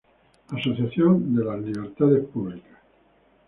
Asociación Libertades Públicas.